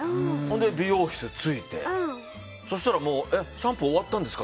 美容室着いてそしたら、シャンプー終わったんですか？